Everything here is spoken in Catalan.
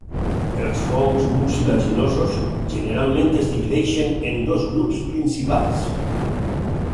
Els fongs mucilaginosos generalment es divideixen en dos grups principals.